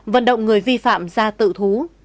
vận động người vi phạm ra tự thú